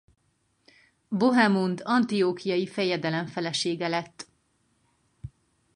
Bohemund antiochiai fejedelem felesége lett.